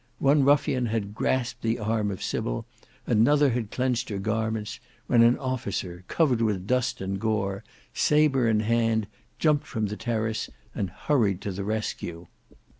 One ruffian had grasped the arm of Sybil, another had clenched her garments, when an officer covered with dust and gore, sabre in hand, jumped from the terrace, and hurried to the rescue.